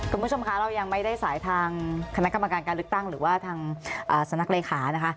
คุณผู้ชมคะเรายังไม่ได้สายทางคณะกรรมการการเลือกตั้งหรือว่าทางสำนักเลขานะคะ